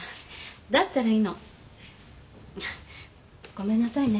ごめんなさいね。